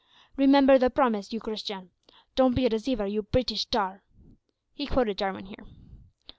"Remember the promise, you Christian. Don't be a deceiver, you `Breetish tar!'" (He quoted Jarwin here.)